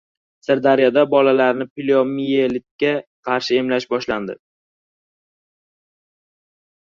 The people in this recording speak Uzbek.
Sirdaryoda bolalarni poliomiyelitga qarshi emlash boshlandi